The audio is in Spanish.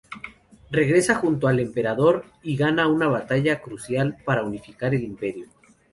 Regresa junto al Emperador y gana una batalla crucial para unificar el imperio.